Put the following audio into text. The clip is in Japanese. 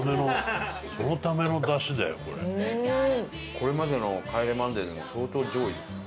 これまでの『帰れマンデー』でも相当上位ですね。